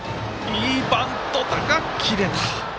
いいバントだが、切れた。